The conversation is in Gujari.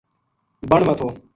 بن ما تھو